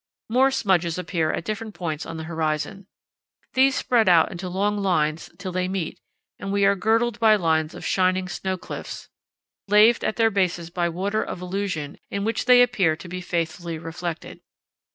More smudges appear at different points on the horizon. These spread out into long lines till they meet, and we are girdled by lines of shining snow cliffs, laved at their bases by waters of illusion in which they appear to be faithfully reflected.